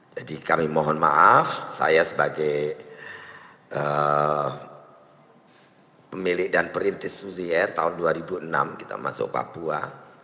jadi kami mohon maaf saya sebagai pemilik dan perintis suzy air tahun dua ribu enam kita masuk papua